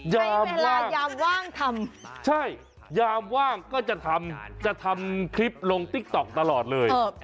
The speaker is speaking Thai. เวลายามว่างทำใช่ยามว่างก็จะทำจะทำคลิปลงติ๊กต๊อกตลอดเลย